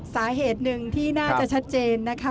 สาเหตุหนึ่งที่น่าจะชัดเจนนะคะ